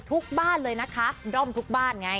ทุกบ้านเลยนะคะด้อมทุกบ้านไง